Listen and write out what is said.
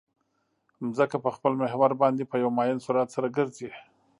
ځمکه په خپل محور باندې په یو معین سرعت سره ګرځي